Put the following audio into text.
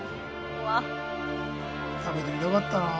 食べてみたかったなぁ。